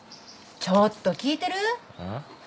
ちょっと聞いてる？あっ？